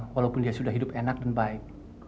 walaupun dia sudah hidup enak dan baik